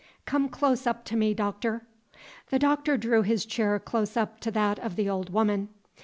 Come close up to me, Doctor!" The Doctor drew his chair close up to that of the old woman.